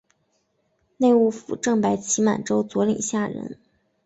内务府正白旗满洲佐领下人。